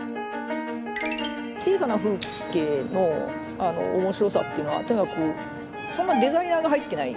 小さな風景の面白さっていうのはそんなデザイナーが入ってない。